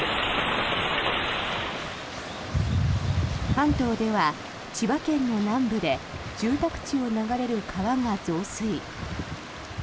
関東では千葉県の南部で住宅地を流れる川が増水。